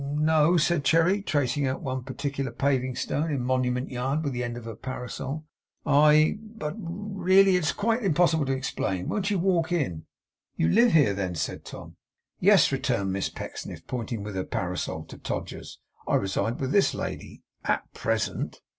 'N no!' said Cherry, tracing out one particular paving stone in Monument Yard with the end of her parasol. 'I but really it's quite impossible to explain. Won't you walk in?' 'You live here, then?' said Tom 'Yes,' returned Miss Pecksniff, pointing with her parasol to Todgers's; 'I reside with this lady, AT PRESENT.